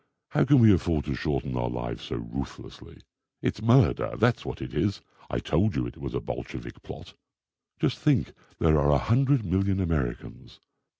How can we afford to shorten our lives so ruthlessly? It's murder, that's what it is! I told you it was a Bolshevik plot. Just think; there are a hundred million Americans.